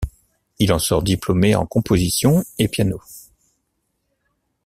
Il en sort diplômé en composition et piano.